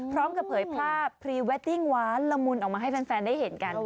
พร้อมกับเผยภาพพรีแวดดิ้งว้านละมุนออกมาให้แฟนได้เห็นกัน